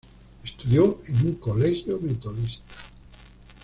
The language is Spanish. Estudió en un colegio metodista.